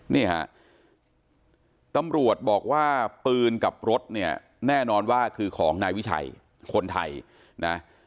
นี่ฮะตำรวจบอกว่าปืนกับรถเนี่ยแน่นอนว่าคือของนายวิชัยคนไทยนะ